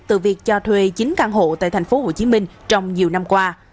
từ việc cho thuê chín căn hộ tại tp hcm trong nhiều năm qua